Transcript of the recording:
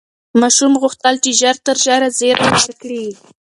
ماشوم غوښتل چې ژر تر ژره زېری ورکړي.